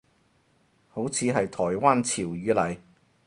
好似係台灣潮語嚟